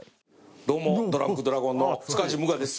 どうもドランクドラゴンの塚地武雅です。